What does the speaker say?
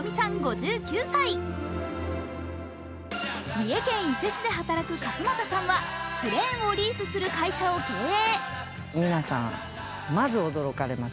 三重県伊勢市で働く勝又さんはクレーンをリースする会社を経営。